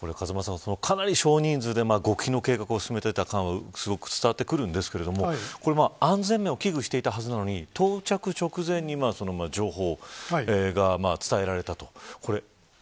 かなり少人数で、極秘の計画を進めていた感じが伝わってくるんですけど安全面を危惧していたはずなのに到着直前に情報が伝えられたと。